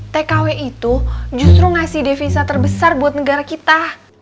tkw itu justru ngasih devisa terbesar buat negara kita